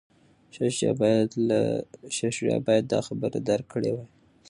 شاه شجاع باید دا خبره درک کړې وای.